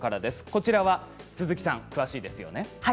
こちらは鈴木さん詳しいですよね。